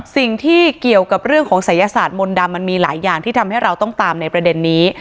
สิ่งที่เกี่ยวกับเรื่องของศัยศาสตร์มนต์ดำมันมีหลายอย่างที่ทำให้เราต้องตามในประเด็นนี้